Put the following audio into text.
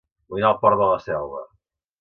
Vull anar a El Port de la Selva